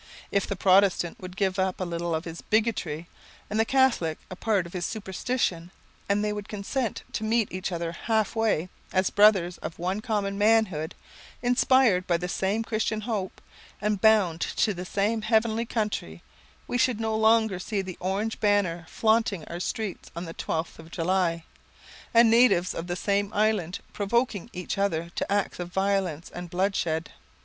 If the Protestant would give up a little of his bigotry, and the Catholic a part of his superstition, and they would consent to meet each other half way, as brothers of one common manhood, inspired by the same Christian hope, and bound to the same heavenly country, we should no longer see the orange banner flaunting our streets on the twelfth of July, and natives of the same island provoking each other to acts of violence and bloodshed.